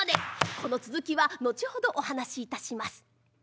この続きは後ほどお話いたします。